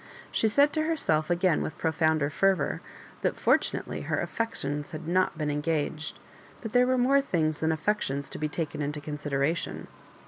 She said to herself again with profounder fervour, that fortunately her affections had not been engaged ; but there were more things than affections to be taken into consideration.